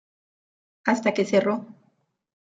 Hasta que cerro.